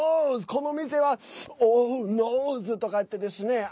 この店はオー、ノーズ！とかってですね